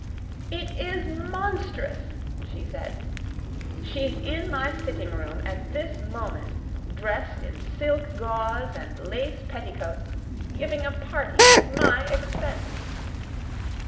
"It is monstrous!" she said. "She's in my sitting room at this moment, dressed in silk gauze and lace petticoats, giving a party at my expense."